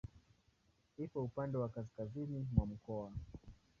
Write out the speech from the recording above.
Ipo upande wa kaskazini mwa mkoa.